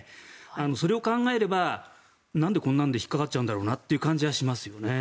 それを考えればなんでこんなんで引っかかっちゃうんだろうなという気がしますよね。